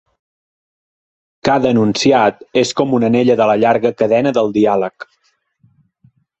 Cada enunciat és com una anella de la llarga cadena del diàleg.